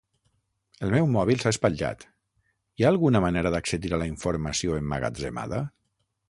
El meu mòbil s'ha espatllat, hi ha alguna manera d'accedir a la informació emmagatzemada?